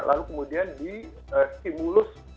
lalu kemudian di stimulus